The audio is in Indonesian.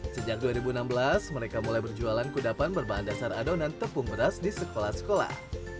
sejak dua ribu enam belas mereka mulai berjualan kudapan berbahan dasar adonan tepung beras di sekolah sekolah